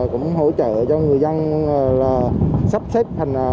cũng hỗ trợ cho người dân sắp xếp thành